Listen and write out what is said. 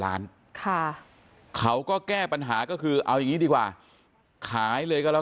ล้านค่ะเขาก็แก้ปัญหาก็คือเอาอย่างนี้ดีกว่าขายเลยก็แล้ว